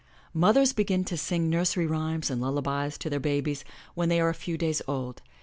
Mothers begin to sing nursery rhymes and lullabies to their babies when they are a few days old.